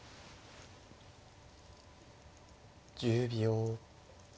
１０秒。